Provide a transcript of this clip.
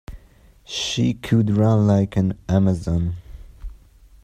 She could run like an Amazon.